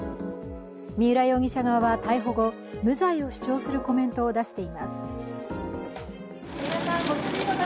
三浦容疑者側は逮捕後無罪を主張するコメントを出しています。